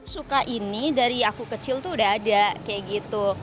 suka ini dari aku kecil tuh udah ada kayak gitu